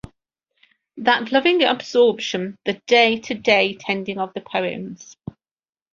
That loving absorption - the day to day tending of the poems.